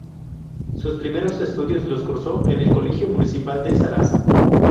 Sus primeros estudios los cursó en el Colegio Municipal de Zaraza.